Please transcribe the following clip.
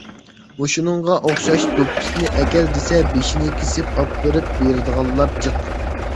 مۇشۇنىڭغا ئوخشاش «دوپپىسىنى ئەكەل» دېسە، بېشىنى كېسىپ ئاپىرىپ بېرىدىغانلار جىق.